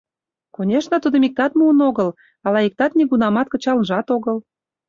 Конешне, тудым иктат муын огыл, ала иктат нигунамат кычалынжат огыл.